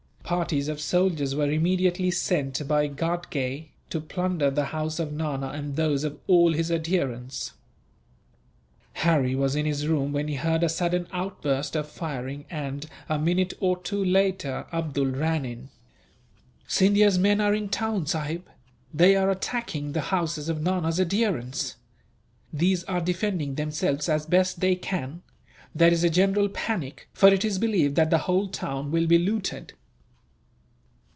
Parties of soldiers were immediately sent, by Ghatgay, to plunder the house of Nana and those of all his adherents. Harry was in his room when he heard a sudden outburst of firing and, a minute or two later, Abdool ran in. "Scindia's men are in the town, sahib! They are attacking the houses of Nana's adherents. These are defending themselves as best they can. There is a general panic, for it is believed that the whole town will be looted."